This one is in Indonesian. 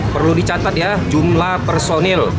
perlu dicatat ya jumlah personil